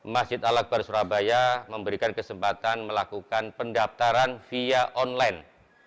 masjid al akbar surabaya memberikan kesempatan melakukan pendaftaran via online